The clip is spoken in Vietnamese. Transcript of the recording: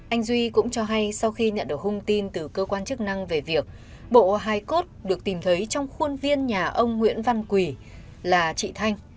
anh duy cũng cho hay sau khi nhận được hung tin từ cơ quan chức năng về việc bộ hai cốt được tìm thấy trong khuôn viên nhà ông nguyễn văn quỳ là chị thanh